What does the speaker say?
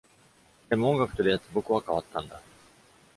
でも音楽と出会って僕は変わったんだ。